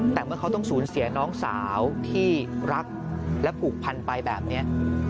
แต่เมื่อเขาต้องสูญเสียน้องสาวที่รักและผูกพันไปแบบนี้